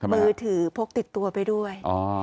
มือถือพกติดตัวไปด้วย